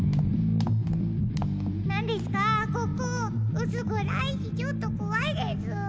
うすぐらいしちょっとこわいです。